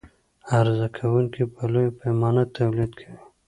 عرضه کوونکى په لویه پیمانه تولید کوي.